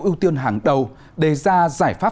ưu tiên hàng đầu để ra giải pháp